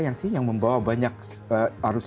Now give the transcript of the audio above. yang membawa banyak arus